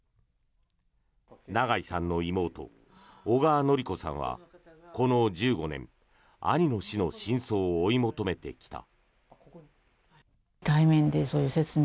長井さんの妹・小川典子さんはこの１５年兄の死の真相を追い求めてきた。